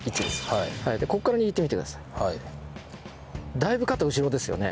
だいぶ肩後ろですよね。